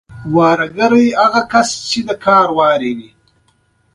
پښتو د افغانانو ژبه ده.